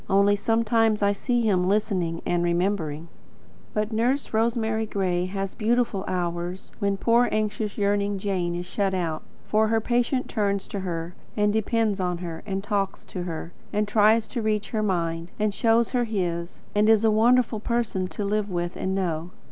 Only, sometimes I see him listening and remembering. But Nurse Rosemary Gray has beautiful hours when poor anxious, yearning Jane is shut out. For her patient turns to her, and depends on her, and talks to her, and tries to reach her mind, and shows her his, and is a wonderful person to live with and know.